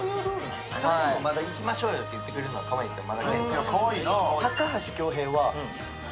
まだ行きましょうと言ってくれるからかわいいですよ。